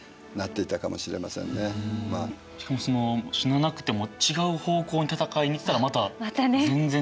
しかもその死ななくても違う方向に戦いに行ったらまた全然違う。